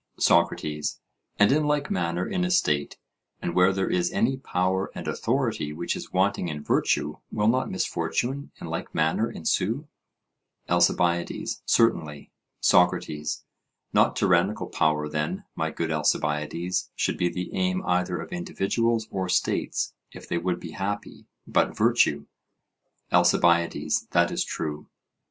SOCRATES: And in like manner, in a state, and where there is any power and authority which is wanting in virtue, will not misfortune, in like manner, ensue? ALCIBIADES: Certainly. SOCRATES: Not tyrannical power, then, my good Alcibiades, should be the aim either of individuals or states, if they would be happy, but virtue. ALCIBIADES: That is true.